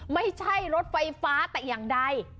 ไม่ใช่รถไฟฟ้าแต่อย่างใด